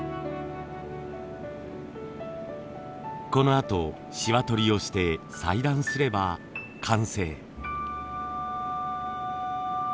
このあとシワ取りをして裁断すれば完成。